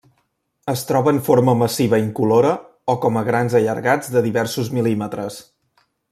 Es troba en forma massiva incolora o com a grans allargats de diversos mil·límetres.